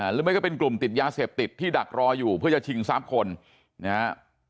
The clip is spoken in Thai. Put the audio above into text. หรือไม่ก็เป็นกลุ่มติดยาเสพติดที่ดักรออยู่เพื่อจะชิงทรัพย์คนนะฮะ